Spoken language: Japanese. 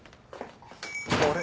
あれ？